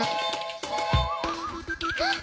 ・あっ！